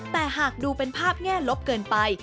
แต่หากดูเป็นภาพแง่ลบเกินไป